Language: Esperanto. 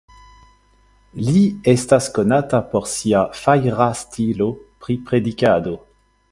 Li estas konata por sia fajra stilo pri predikado.